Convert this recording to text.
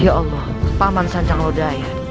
ya allah paman sanjang lodaya